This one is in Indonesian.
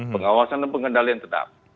pengawasan dan pengendalian tetap